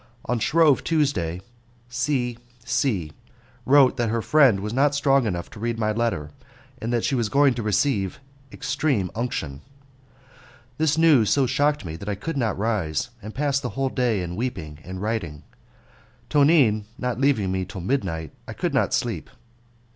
On Shrove Tuesday C C wrote that her friend was not strong enough to read my letter, and that she was going to receive 'extreme unction'. This news so shocked me that I could not rise, and passed the whole day in weeping and writing, Tonine not leaving me till midnight. I could not sleep.